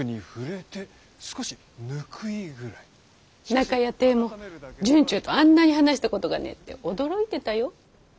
なかやていも惇忠とあんなに話したことがねえって驚いてたよ。